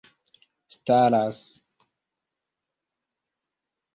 staras